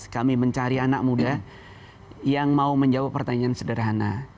kami mencari anak muda yang mau menjawab pertanyaan sederhana